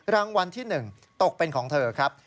รางวัลที่๑ตกเป็นของเธอครับ